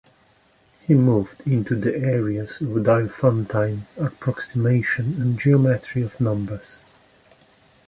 He moved into the areas of diophantine approximation and geometry of numbers.